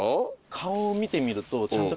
顔を見てみるとちゃんと。